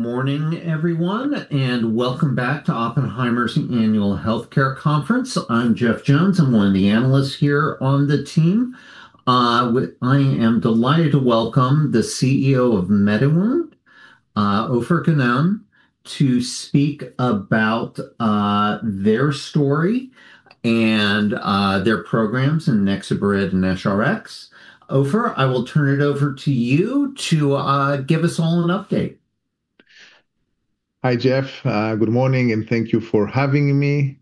Morning, everyone, welcome back to Oppenheimer's Annual Healthcare Conference. I'm Jeff Jones. I'm one of the analysts here on the team. I am delighted to welcome the CEO of MediWound, Ofer Gonen, to speak about their story and their programs in NexoBrid and EscharEx. Ofer, I will turn it over to you to give us all an update. Hi, Jeff. Good morning, and thank you for having me.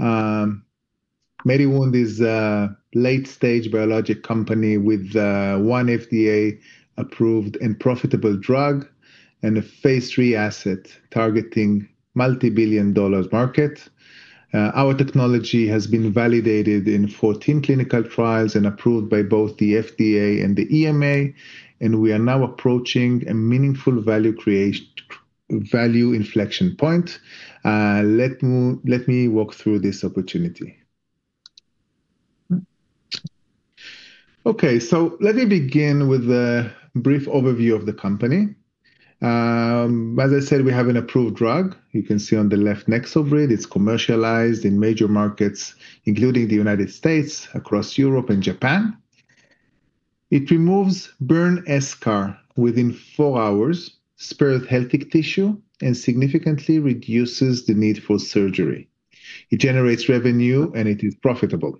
MediWound is a late-stage biologic company with one FDA-approved and profitable drug and a Phase III asset targeting multi-billion dollars market. Our technology has been validated in 14 clinical trials and approved by both the FDA and the EMA, and we are now approaching a meaningful value inflection point. Let me walk through this opportunity. Let me begin with a brief overview of the company. As I said, we have an approved drug. You can see on the left, NexoBrid. It's commercialized in major markets, including the United States, across Europe and Japan. It removes burn eschar within 4 hours, spares healthy tissue, and significantly reduces the need for surgery. It generates revenue, and it is profitable.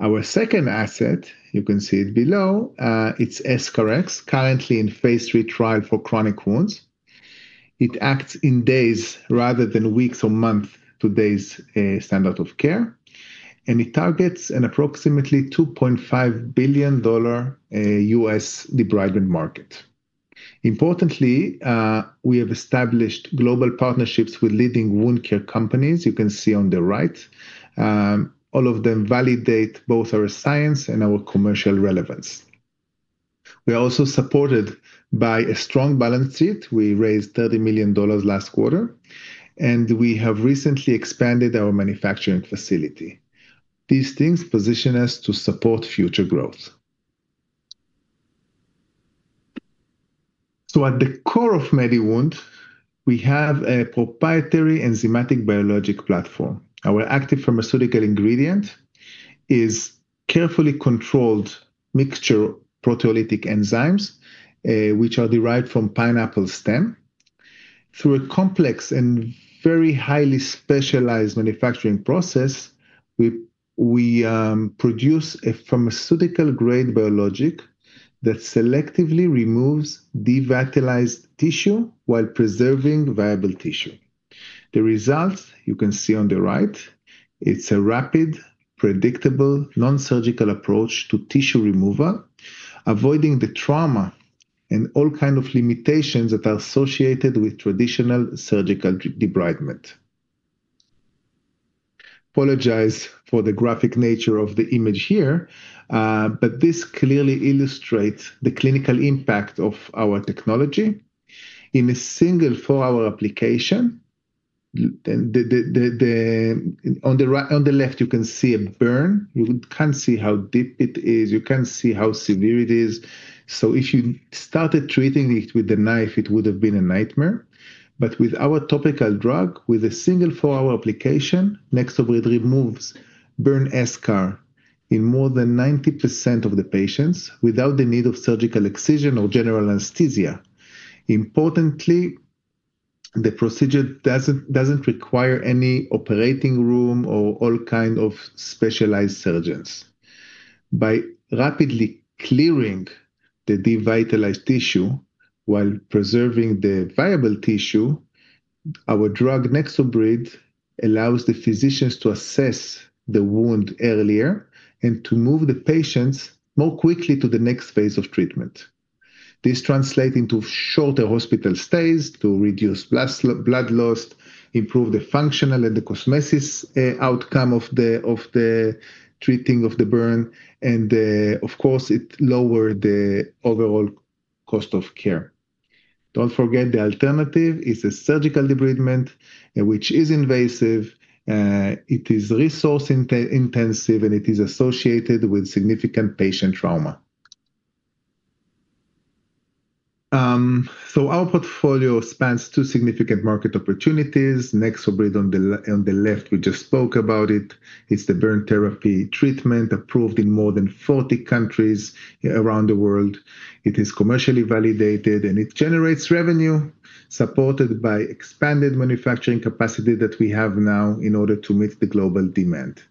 Our second asset, you can see it below, it's EscharEx, currently in Phase III trial for chronic wounds. It acts in days rather than weeks or months to today's standard of care. It targets an approximately $2.5 billion U.S. debridement market. Importantly, we have established global partnerships with leading wound care companies. You can see on the right. All of them validate both our science and our commercial relevance. We are also supported by a strong balance sheet. We raised $30 million last quarter. We have recently expanded our manufacturing facility. These things position us to support future growth. At the core of MediWound, we have a proprietary enzymatic biologic platform. Our active pharmaceutical ingredient is carefully controlled mixture proteolytic enzymes, which are derived from pineapple stem. Through a complex and very highly specialized manufacturing process, we produce a pharmaceutical-grade biologic that selectively removes devitalized tissue while preserving viable tissue. The results you can see on the right. It's a rapid, predictable, non-surgical approach to tissue removal, avoiding the trauma and all kind of limitations that are associated with traditional surgical debridement. Apologize for the graphic nature of the image here. This clearly illustrates the clinical impact of our technology. In a single 4-hour application, on the left, you can see a burn. You can see how deep it is, you can see how severe it is. If you started treating it with a knife, it would have been a nightmare. With our topical drug, with a single four hour application, NexoBrid removes burn eschar in more than 90% of the patients without the need of surgical excision or general anesthesia. Importantly, the procedure doesn't require any operating room or all kinds of specialized surgeons. By rapidly clearing the devitalized tissue while preserving the viable tissue, our drug, NexoBrid, allows the physicians to assess the wound earlier and to move the patients more quickly to the next phase of treatment. This translates into shorter hospital stays, to reduce blood loss, improve the functional and the cosmesis outcome of the treating of the burn, and of course, it lowers the overall cost of care. Don't forget, the alternative is a surgical debridement, which is invasive, it is resource intensive, and it is associated with significant patient trauma. Our portfolio spans two significant market opportunities. NexoBrid on the left, we just spoke about it's the burn therapy treatment approved in more than 40 countries around the world. It is commercially validated, it generates revenue supported by expanded manufacturing capacity that we have now in order to meet the global demand.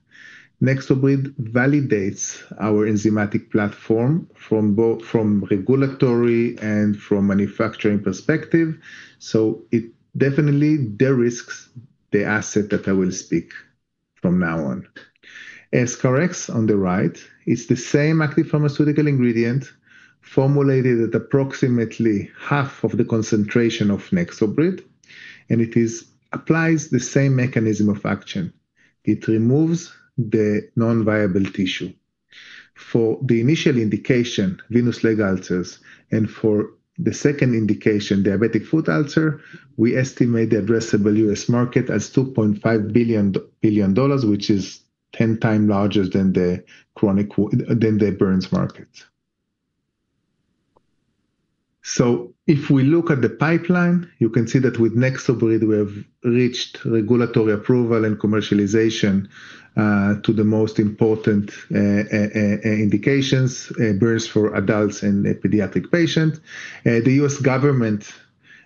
NexoBrid validates our enzymatic platform from regulatory and from manufacturing perspective, it definitely de-risks the asset that I will speak from now on. EscharEx, on the right, is the same active pharmaceutical ingredient formulated at approximately half of the concentration of NexoBrid, it is applies the same mechanism of action. It removes the non-viable tissue. For the initial indication, venous leg ulcers, and for the second indication, diabetic foot ulcer, we estimate the addressable U.S. market as $2.5 billion, which is 10x larger than the chronic than the burns market. If we look at the pipeline, you can see that with NexoBrid, we have reached regulatory approval and commercialization, to the most important indications, burns for adults and pediatric patients. The U.S. government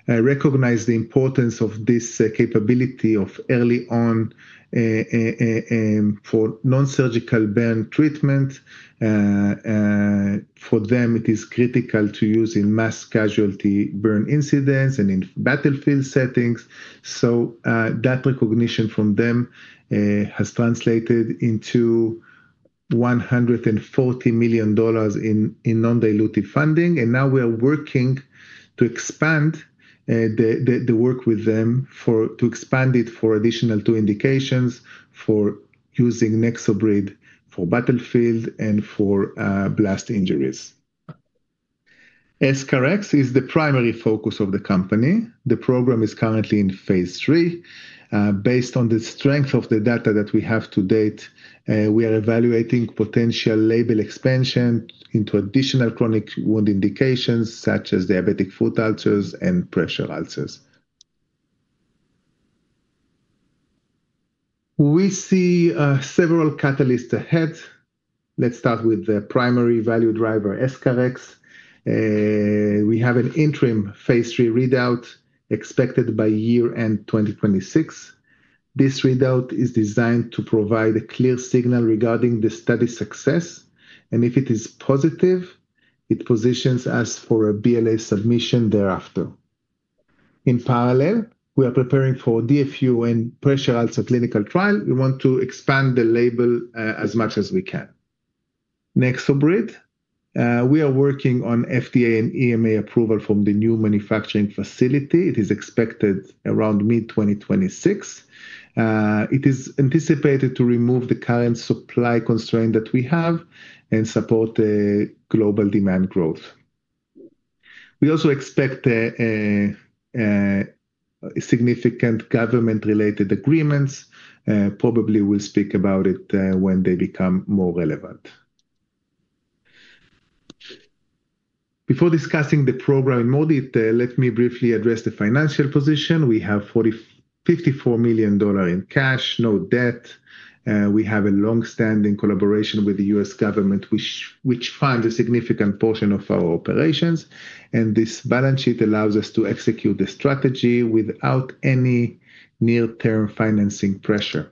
recognized the importance of this capability of early on, for non-surgical burn treatment. For them, it is critical to use in mass casualty burn incidents and in battlefield settings. That recognition from them has translated into $140 million in non-dilutive funding. Now we are working to expand the work with them to expand it for additional two indications for using NexoBrid for battlefield and for blast injuries. EscharEx is the primary focus of the company. The program is currently in phase III. Based on the strength of the data that we have to date, we are evaluating potential label expansion into additional chronic wound indications, such as diabetic foot ulcers and pressure ulcers. We see several catalysts ahead. Let's start with the primary value driver, EscharEx. We have an interim phase III readout expected by year-end 2026. This readout is designed to provide a clear signal regarding the study's success. If it is positive, it positions us for a BLA submission thereafter. In parallel, we are preparing for DFU and pressure ulcer clinical trial. We want to expand the label as much as we can. NexoBrid, we are working on FDA and EMA approval from the new manufacturing facility. It is expected around mid-2026. It is anticipated to remove the current supply constraint that we have and support the global demand growth. We also expect a significant government-related agreements. Probably we'll speak about it when they become more relevant. Before discussing the program more in detail, let me briefly address the financial position. We have $54 million dollars in cash, no debt, we have a long-standing collaboration with the US government, which funds a significant portion of our operations. This balance sheet allows us to execute the strategy without any near-term financing pressure.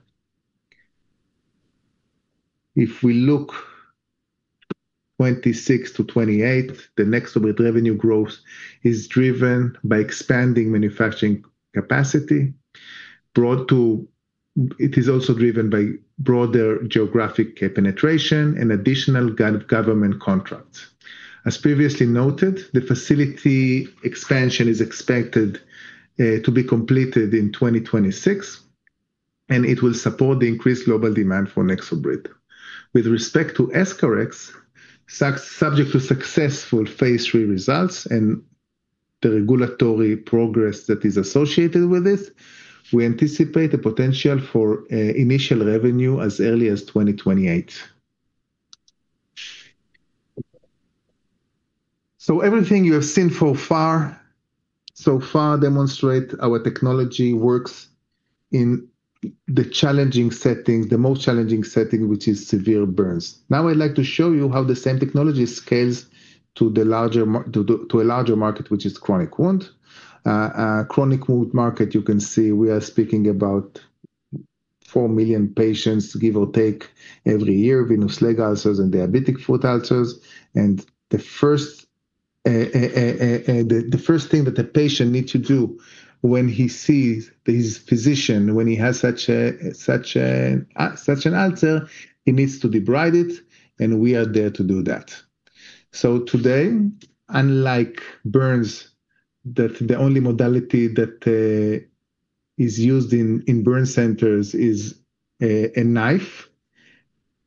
If we look 2026 to 2028, the NexoBrid revenue growth is driven by expanding manufacturing capacity. It is also driven by broader geographic penetration and additional go-government contracts. As previously noted, the facility expansion is expected to be completed in 2026. It will support the increased global demand for NexoBrid. With respect to EscharEx, subject to successful Phase III results and the regulatory progress that is associated with this, we anticipate the potential for initial revenue as early as 2028. Everything you have seen so far demonstrate our technology works in the challenging settings, the most challenging setting, which is severe burns. Now, I'd like to show you how the same technology scales to a larger market, which is chronic wound. Chronic wound market, you can see we are speaking about four million patients, give or take, every year, venous leg ulcers and diabetic foot ulcers. The first thing that the patient needs to do when he sees his physician, when he has such an ulcer, he needs to debride it, and we are there to do that. Today, unlike burns, that the only modality that is used in burn centers is a knife.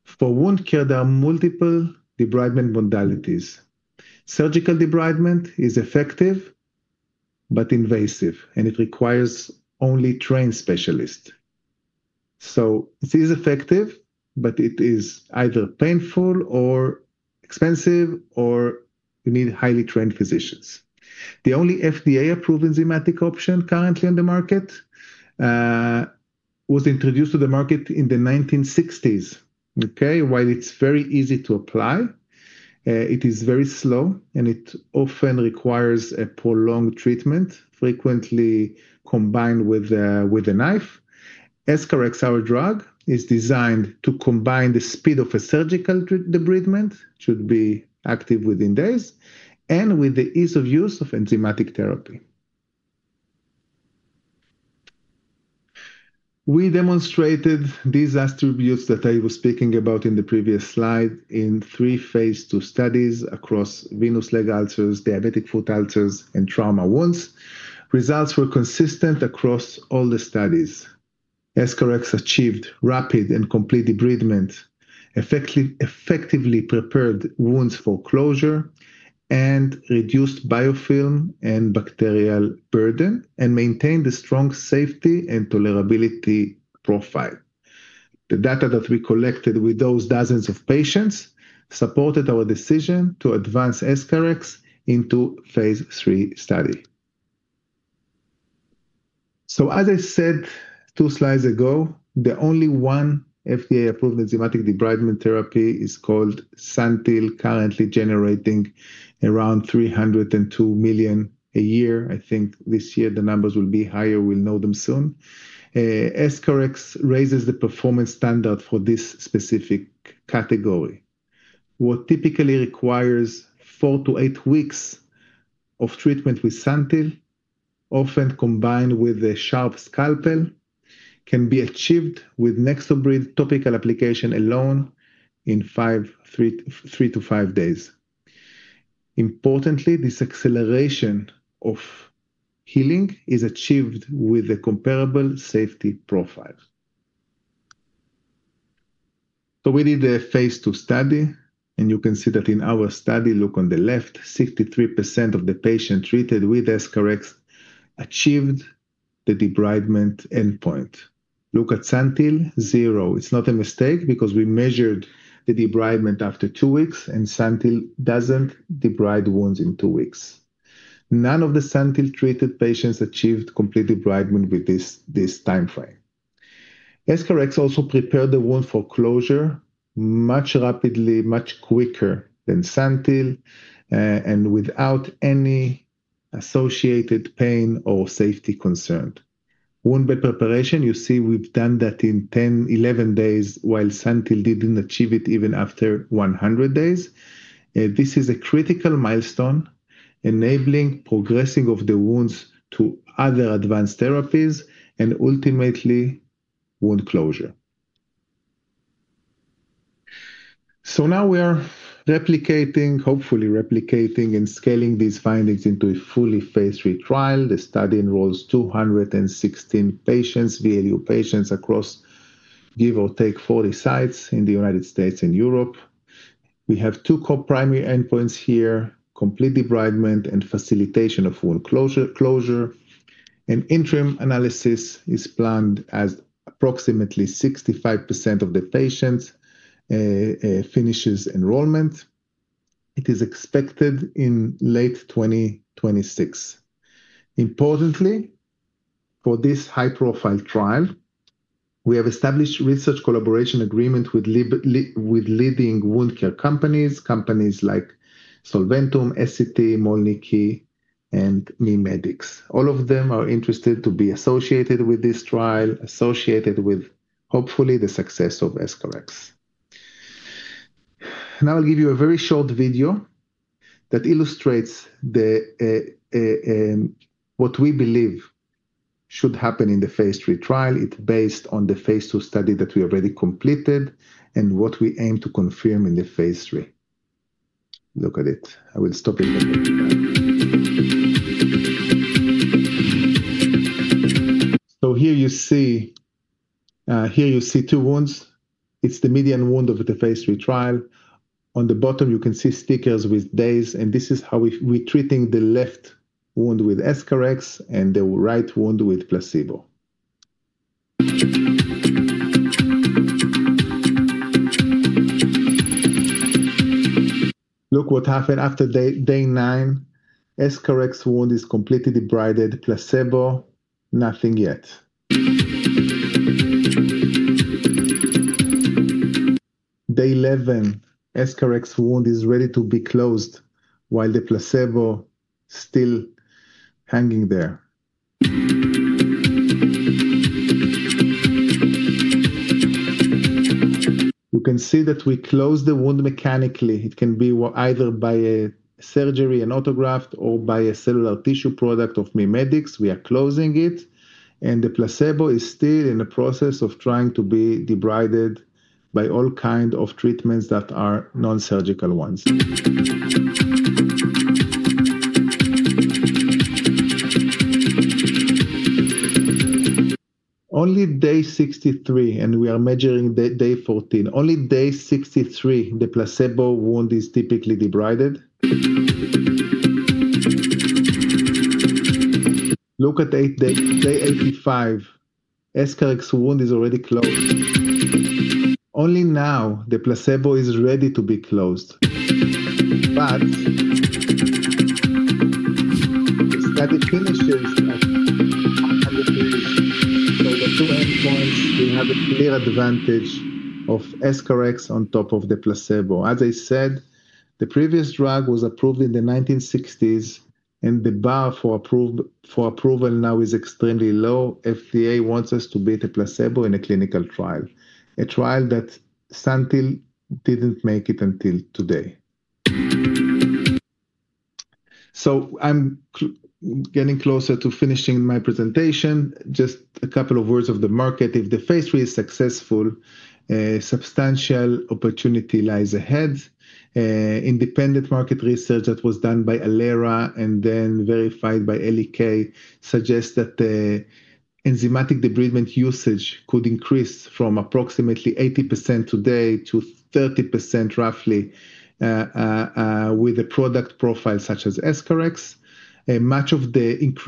For wound care, there are multiple debridement modalities. Surgical debridement is effective, but invasive, it requires only trained specialists. It is effective, but it is either painful or expensive or you need highly trained physicians. The only FDA-approved enzymatic option currently on the market was introduced to the market in the 1960s. While it's very easy to apply, it is very slow, and it often requires a prolonged treatment, frequently combined with a knife. EscharEx, our drug, is designed to combine the speed of a surgical debridement, should be active within days, and with the ease of use of enzymatic therapy. We demonstrated these attributes that I was speaking about in the previous slide in three Phase II studies across venous leg ulcers, diabetic foot ulcers, and trauma wounds. Results were consistent across all the studies. EscharEx achieved rapid and complete debridement, effectively prepared wounds for closure, and reduced biofilm and bacterial burden, and maintained a strong safety and tolerability profile. The data that we collected with those dozens of patients supported our decision to advance EscharEx into Phase III study. As I said two slides ago, the only one FDA-approved enzymatic debridement therapy is called SANTYL, currently generating around $302 million a year. I think this year the numbers will be higher. We'll know them soon. EscharEx raises the performance standard for this specific category. What typically requires four to eight weeks of treatment with SANTYL, often combined with a sharp scalpel, can be achieved with NexoBrid topical application alone in three to five days. Importantly, this acceleration of healing is achieved with a comparable safety profile. We did a Phase II study, and you can see that in our study, look on the left, 63% of the patients treated with EscharEx achieved the debridement endpoint. Look at Santyl, Zero. It's not a mistake, because we measured the debridement after two weeks, and Santyl doesn't debride wounds in two weeks. None of the Santyl-treated patients achieved complete debridement with this timeframe. EscharEx also prepared the wound for closure much rapidly, much quicker than Santyl, and without any associated pain or safety concern. Wound bed preparation, you see we've done that in 10, 11 days, while Santyl didn't achieve it even after 100 days. This is a critical milestone enabling progressing of the wounds to other advanced therapies and ultimately, wound closure. Now we are hopefully replicating and scaling these findings into a fully Phase III trial. The study involves 216 patients, VLU patients, across give or take 40 sites in the United States and Europe. We have two co-primary endpoints here: complete debridement and facilitation of wound closure. An interim analysis is planned as approximately 65% of the patients finishes enrollment. It is expected in late 2026. Importantly, for this high-profile trial, we have established research collaboration agreement with leading wound care companies like Solventum, SCT, Mölnlycke, and MiMedx. All of them are interested to be associated with this trial, associated with, hopefully, the success of EscharEx. Now, I'll give you a very short video that illustrates what we believe should happen in the Phase III trial. It's based on the Phase II study that we already completed and what we aim to confirm in the Phase III. Look at it. I will stop it and then come back. Here you see, here you see two wounds. It's the median wound of the Phase III trial. On the bottom, you can see stickers with days. This is how we're treating the left wound with EscharEx and the right wound with placebo. Look what happened after Day nine. EscharEx wound is completely debrided. Placebo, nothing yet. Day 11, EscharEx wound is ready to be closed, while the placebo still hanging there. You can see that we closed the wound mechanically. It can be either by a surgery, an autograft, or by a cellular tissue product of MiMedx. We are closing it. The placebo is still in the process of trying to be debrided by all kind of treatments that are non-surgical ones. Only Day 63, and we are measuring Day 14. Only Day 63, the placebo wound is typically debrided. Look at Day eight, Day 85. EscharEx wound is already closed. Only now, the placebo is ready to be closed. The study finishes at 100 days, the two endpoints, we have a clear advantage of EscharEx on top of the placebo. As I said, the previous drug was approved in the 1960s, the bar for approval now is extremely low. FDA wants us to beat a placebo in a clinical trial, a trial that SANTYL didn't make it until today. I'm getting closer to finishing my presentation. Just a couple of words of the market. If the phase III is successful, a substantial opportunity lies ahead. Independent market research that was done by Alira and then verified by L.E.K. suggests that the enzymatic debridement usage could increase from approximately 80% today to 30% roughly with a product profile such as EscharEx. Much of this incremental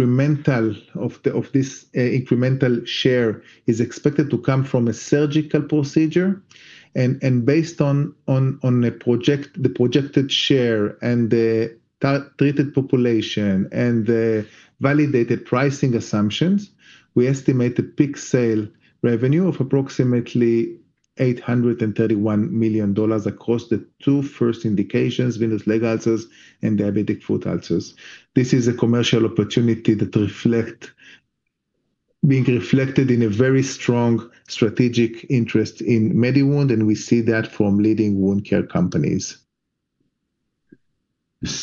share is expected to come from a surgical procedure. Based on the projected share, and the treated population, and the validated pricing assumptions, we estimate a peak sale revenue of approximately $831 million across the two first indications, venous leg ulcers and diabetic foot ulcers. This is a commercial opportunity that being reflected in a very strong strategic interest in MediWound, and we see that from leading wound care companies.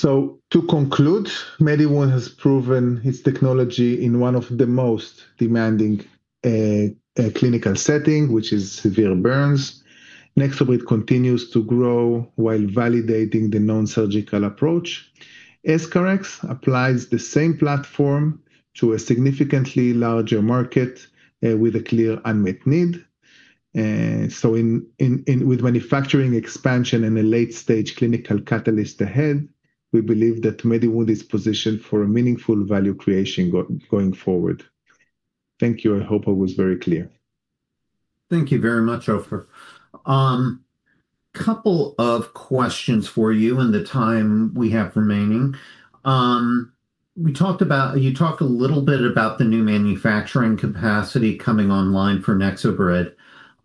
To conclude, MediWound has proven its technology in one of the most demanding clinical setting, which is severe burns. NexoBrid continues to grow while validating the non-surgical approach. EscharEx applies the same platform to a significantly larger market, with a clear unmet need. With manufacturing expansion and a late-stage clinical catalyst ahead, we believe that MediWound is positioned for a meaningful value creation going forward. Thank you. I hope I was very clear. Thank you very much, Ofer. Couple of questions for you in the time we have remaining. You talked a little bit about the new manufacturing capacity coming online for NexoBrid,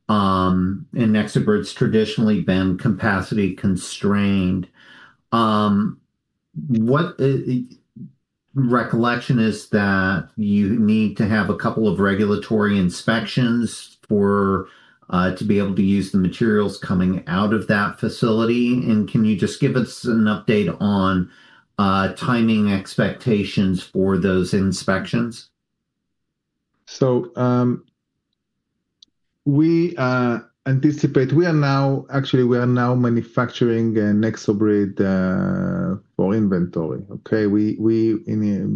and NexoBrid's traditionally been capacity constrained. What recollection is that you need to have a couple of regulatory inspections for to be able to use the materials coming out of that facility? Can you just give us an update on timing expectations for those inspections? Actually, we are now manufacturing NexoBrid for inventory, okay?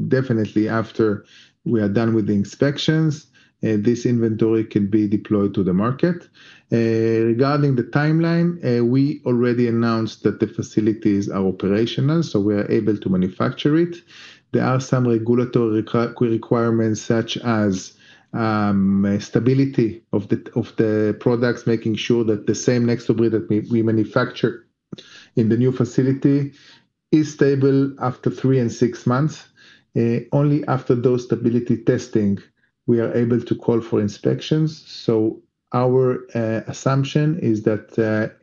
Definitely after we are done with the inspections, this inventory can be deployed to the market. Regarding the timeline, we already announced that the facilities are operational. We are able to manufacture it. There are some regulatory requirements, such as stability of the products, making sure that the same NexoBrid that we manufacture in the new facility is stable after three and six months. Only after those stability testing, we are able to call for inspections. Our assumption is that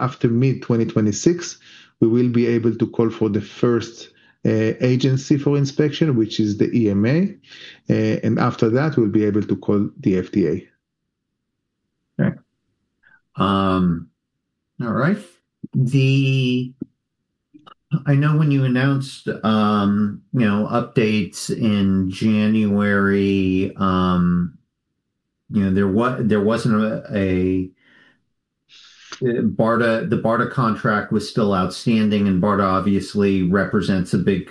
after mid-2026, we will be able to call for the first agency for inspection, which is the EMA, and after that, we will be able to call the FDA. Okay. All right. I know when you announced, you know, updates in January, you know, there wasn't the BARDA contract was still outstanding. BARDA obviously represents a big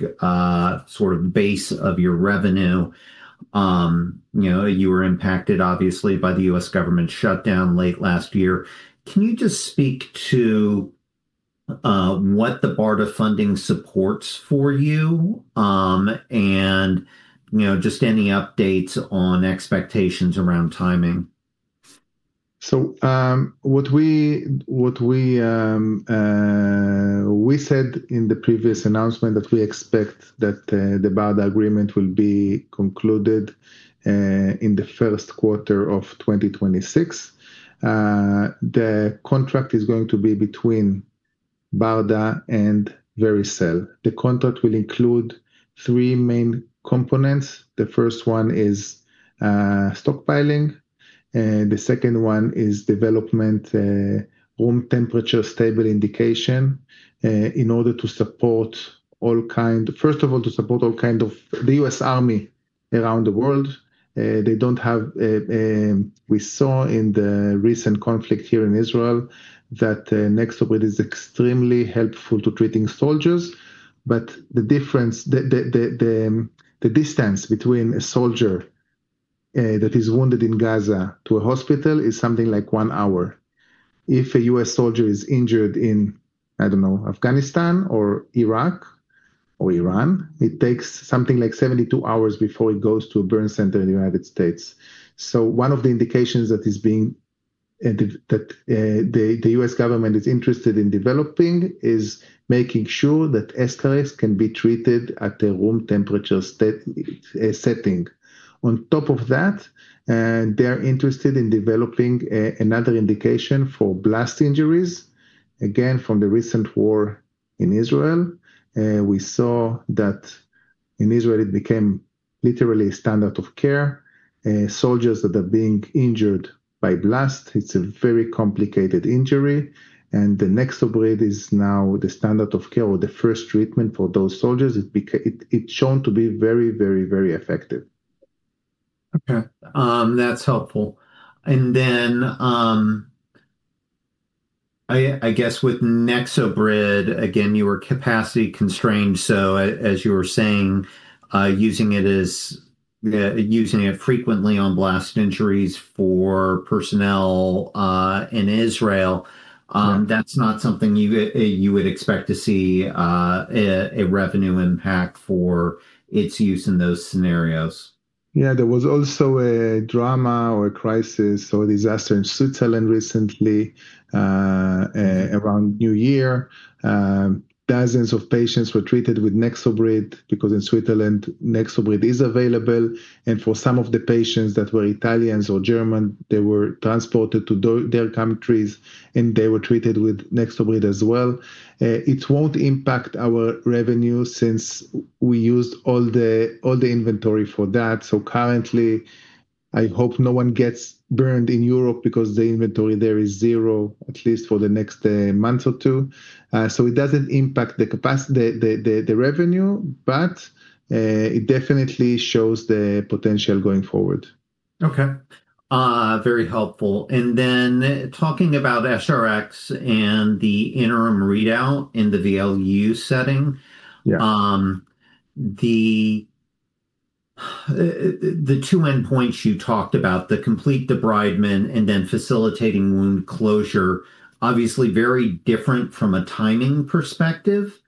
sort of base of your revenue. You know, you were impacted, obviously, by the US government shutdown late last year. Can you just speak to what the BARDA funding supports for you, and, you know, just any updates on expectations around timing? What we said in the previous announcement that we expect that the BARDA agreement will be concluded in the Q1 of 2026. The contract is going to be between BARDA and Vericel. The contract will include three main components. The first one is stockpiling, the second one is development, room temperature stable indication, in order to support first of all, to support all kind of the US Army around the world. They don't have. We saw in the recent conflict here in Israel that NexoBrid is extremely helpful to treating soldiers. The difference, the distance between a soldier that is wounded in Gaza to a hospital is something like one hour. If a U.S. soldier is injured in, I don't know, Afghanistan or Iraq or Iran, it takes something like 72 hours before he goes to a burn center in the United States. One of the indications that is being, and that the U.S. government is interested in developing, is making sure that EscharEx can be treated at a room temperature setting. On top of that, they are interested in developing another indication for blast injuries. Again, from the recent war in Israel, we saw that in Israel, it became literally standard of care. Soldiers that are being injured by blast, it's a very complicated injury, and the NexoBrid is now the standard of care or the first treatment for those soldiers. It's shown to be very, very, very effective. Okay, that's helpful. I guess with NexoBrid, again, you were capacity-constrained, so as you were saying, using it frequently on blast injuries for personnel, in Israel, Yeah that's not something you would expect to see a revenue impact for its use in those scenarios? There was also a drama or a crisis or a disaster in Switzerland recently, around New Year. Dozens of patients were treated with NexoBrid, because in Switzerland, NexoBrid is available, and for some of the patients that were Italians or German, they were transported to their countries, and they were treated with NexoBrid as well. It won't impact our revenue since we used all the inventory for that. Currently, I hope no one gets burned in Europe because the inventory there is zero, at least for the next month or two. It doesn't impact the revenue, but it definitely shows the potential going forward. Okay, very helpful. Talking about EscharEx and the interim readout in the VLU setting, Yeah the two endpoints you talked about, the complete debridement and then facilitating wound closure, obviously very different from a timing perspective.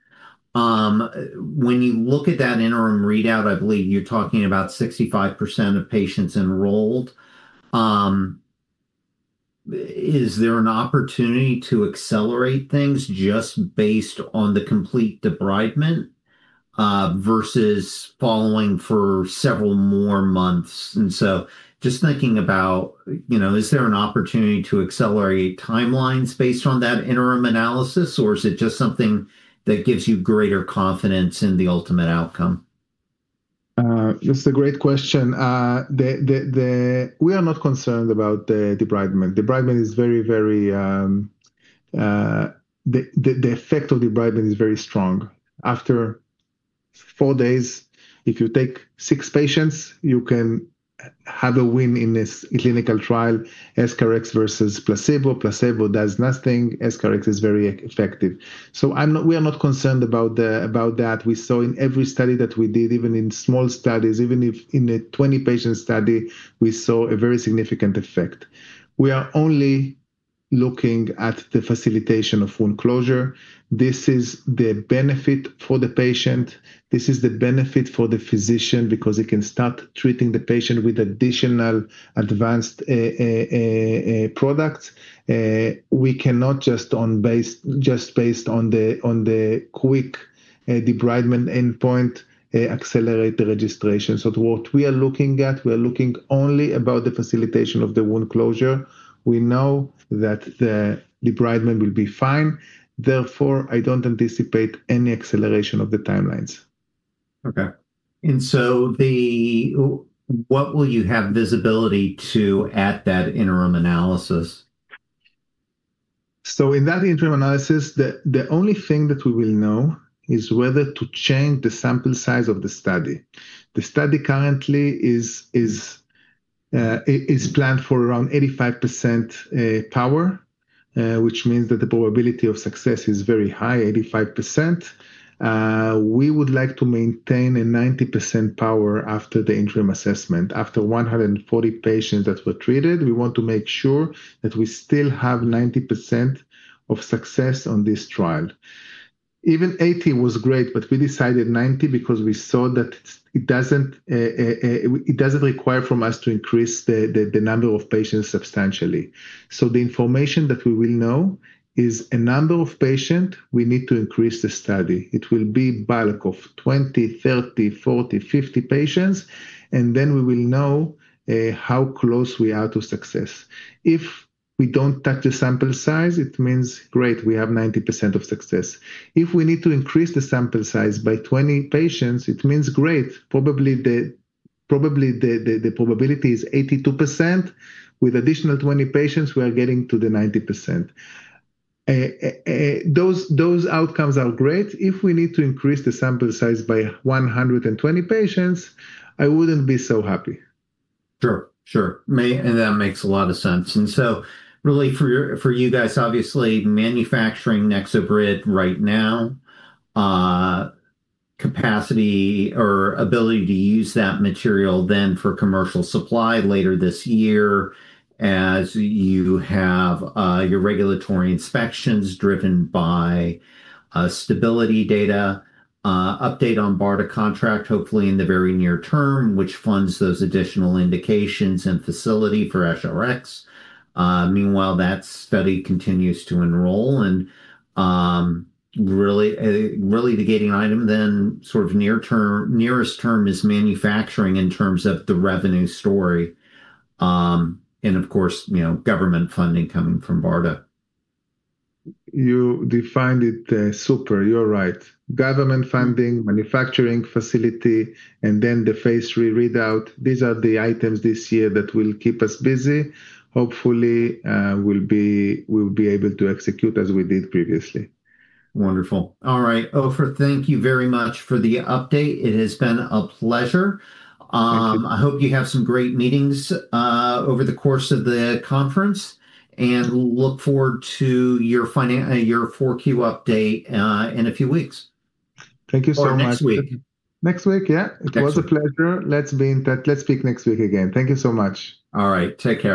When you look at that interim readout, I believe you're talking about 65% of patients enrolled. Is there an opportunity to accelerate things just based on the complete debridement versus following for several more months? Just thinking about, you know, is there an opportunity to accelerate timelines based on that interim analysis, or is it just something that gives you greater confidence in the ultimate outcome? It's a great question. We are not concerned about the debridement. Debridement is very, very, the effect of debridement is very strong. After four days, if you take six patients, you can have a win in this clinical trial, EscharEx versus placebo. Placebo does nothing. EscharEx is very effective. We are not concerned about that. We saw in every study that we did, even in small studies, even if in a 20-patient study, we saw a very significant effect. We are only looking at the facilitation of wound closure. This is the benefit for the patient, this is the benefit for the physician, because he can start treating the patient with additional advanced a product. We cannot just based on the quick debridement endpoint accelerate the registration. What we are looking at, we are looking only about the facilitation of the wound closure. We know that the debridement will be fine, therefore, I don't anticipate any acceleration of the timelines. Okay. The what will you have visibility to at that interim analysis? In that interim analysis, the only thing that we will know is whether to change the sample size of the study. The study currently is planned for around 85% power, which means that the probability of success is very high, 85%. We would like to maintain a 90% power after the interim assessment. After 140 patients that were treated, we want to make sure that we still have 90% of success on this trial. Even 80 was great, but we decided 90 because we saw that it doesn't require from us to increase the number of patient substantially. The information that we will know is a number of patient we need to increase the study. It will be bulk of 20, 30, 40, 50 patients, and then we will know how close we are to success. If we don't touch the sample size, it means, great, we have 90% of success. If we need to increase the sample size by 20 patients, it means, great, probably the probability is 82%. With additional 20 patients, we are getting to the 90%. Those outcomes are great. If we need to increase the sample size by 120 patients, I wouldn't be so happy. Sure. Sure. That makes a lot of sense. Really for you guys, obviously, manufacturing NexoBrid right now, capacity or ability to use that material then for commercial supply later this year, as you have, your regulatory inspections driven by, stability data, update on BARDA contract, hopefully in the very near term, which funds those additional indications and facility for SR-X. Meanwhile, that study continues to enroll, and, really, the gating item then, sort of nearest term is manufacturing in terms of the revenue story, and of course, you know, government funding coming from BARDA. You defined it, super. You're right. Government funding, manufacturing facility, and then the phase III readout, these are the items this year that will keep us busy. Hopefully, we'll be able to execute as we did previously. Wonderful. All right, Ofer, thank you very much for the update. It has been a pleasure. Thank you. I hope you have some great meetings, over the course of the conference, and we look forward to your four-key update, in a few weeks. Thank you so much. Next week. Next week? Yeah. Next week. It was a pleasure. Let's be in touch. Let's speak next week again. Thank you so much. All right. Take care.